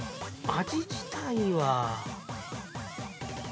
◆味自体は。